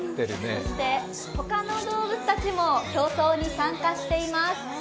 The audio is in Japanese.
他の動物たちも競争に参加しています。